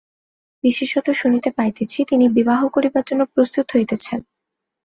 বিশেষত শুনিতে পাইতেছি, তিনি বিবাহ করিবার জন্য প্রস্তুত হইতেছেন।